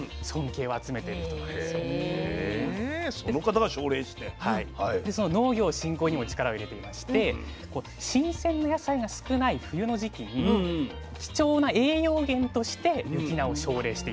で農業振興にも力を入れていまして新鮮な野菜が少ない冬の時期に貴重な栄養源として雪菜を奨励していたという。